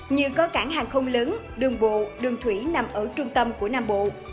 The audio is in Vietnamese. như có cảng hàng không lớn đường bộ đường thủy nằm ở trung tâm của nam bộ